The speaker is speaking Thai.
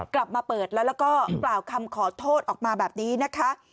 กลับมาเปิดแล้วแล้วก็กล่าวคำขอโทษออกมาแบบนี้นะคะ